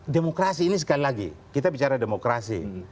demokrasi ini sekali lagi kita bicara demokrasi